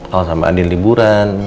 al sama adin liburan